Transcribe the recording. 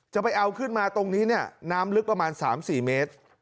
ไปเอาขึ้นมาตรงนี้เนี่ยน้ำลึกประมาณ๓๔เมตร